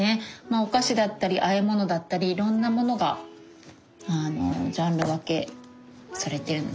お菓子だったりあえ物だったりいろんなものがジャンル分けされてるので。